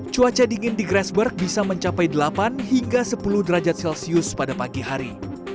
cuaca dingin di grassberg bisa mencapai delapan hingga sepuluh derajat celcius pada pagi hari